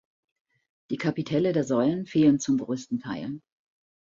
Die Kapitelle der Säulen fehlen zum größten Teil.